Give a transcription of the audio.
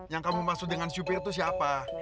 yang kamu maksud dengan supir itu siapa